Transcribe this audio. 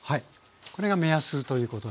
これが目安ということですよね？